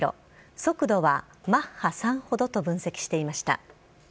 速度はマッハ３ほどと分析していました。